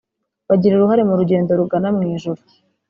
bagira uruhare mu rugendo rugana mu ijuru